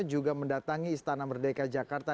juga mendatangi istana merdeka jakarta